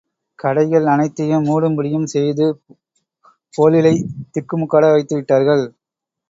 கடைகள் அனைத்தையும் மூடும்படியும் செய்து போலீலைத் திக்கு முக்காட வைத்து விட்டார்கள்.